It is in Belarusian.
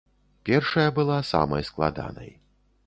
Першая была самай складанай.